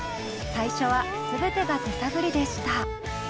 最初は全てが手探りでした。